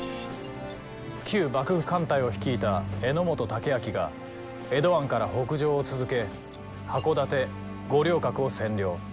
旧幕府艦隊を率いた榎本武揚が江戸湾から北上を続け箱館五稜郭を占領。